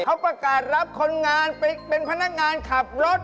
เขาประกาศรับคนงานไปเป็นพนักงานขับรถ